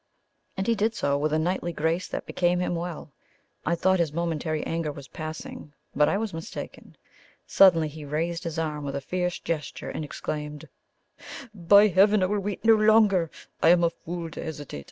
And he did so, with a knightly grace that became him well. I thought his momentary anger was passing, but I was mistaken. Suddenly he raised his arm with a fierce gesture, and exclaimed: "By heaven! I will wait no longer. I am a fool to hesitate.